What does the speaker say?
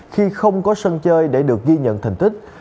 khi không có sân chơi để được ghi nhận thành tích